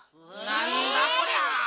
なんだこりゃ！